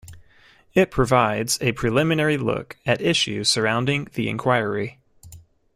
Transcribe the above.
It provides a preliminary look at issues surrounding the inquiry.